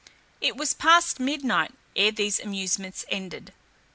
It was past midnight ere these amusements ended.